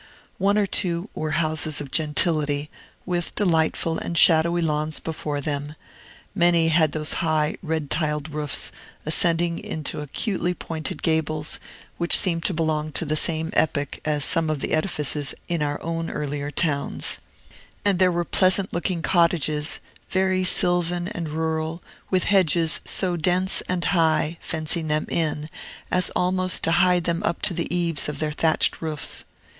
One or two were houses of gentility, with delightful and shadowy lawns before them; many had those high, red tiled roofs, ascending into acutely pointed gables, which seem to belong to the same epoch as some of the edifices in our own earlier towns; and there were pleasant looking cottages, very sylvan and rural, with hedges so dense and high, fencing them in, as almost to hide them up to the eaves of their thatched roofs.